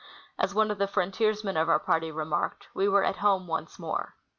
As one of the frontiers men of our party remarked, we Avere " at home once more."